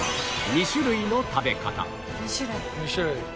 ２種類。